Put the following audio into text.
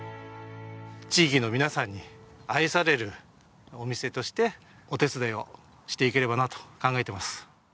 地域の皆さんに愛されるお店としてお手伝いをしていければなと考えています。